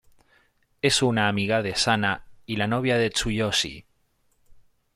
Es una amiga de Sana y la novia de Tsuyoshi.